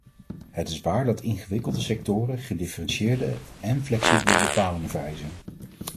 Het is waar dat ingewikkelde sectoren gedifferentieerde en flexibele bepalingen vereisen.